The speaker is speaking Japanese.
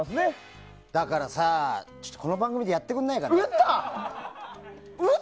だからさこの番組でやってくれないかな？